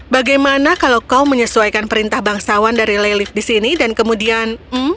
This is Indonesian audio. bagaimana kalau kau menyesuaikan perintah bangsawan dari relief di sini dan kemudian